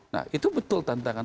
nah itu betul tantangan